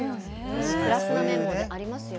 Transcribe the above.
プラスな面もありますよね。